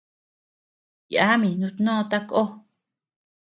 Yami nutnó takó.